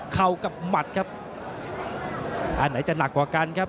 เข้ากับหมัดครับอันไหนจะหนักกว่ากันครับ